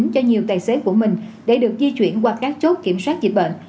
cho nhiều tài xế của mình để được di chuyển qua các chốt kiểm soát dịch bệnh